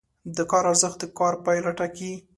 د کار ارزښت د کار پایله ټاکي.